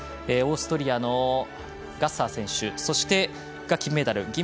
オーストリアのガッサー選手が金メダル。